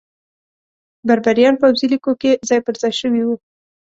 بربریان پوځي لیکو کې ځای پرځای شوي وو.